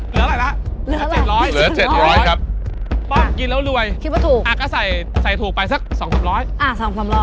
เหลือ๗๐๐ครับป๊อบกินแล้วรวยอ่ะก็ใส่ถูกไปสัก๒๐๐บาทอ่ะ๓๐๐